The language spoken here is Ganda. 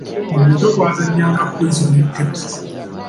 Mu buto twazannyanga kwiso ne ttepo.